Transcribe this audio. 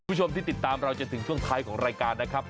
คุณผู้ชมที่ติดตามเราจนถึงช่วงท้ายของรายการนะครับ